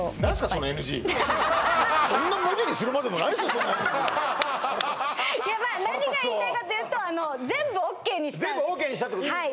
そんなＮＧいやまあ何が言いたいかというと全部ＯＫにしたってことですね